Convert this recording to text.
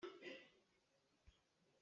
A rawnh nak hmun ah pumpululh an chuih.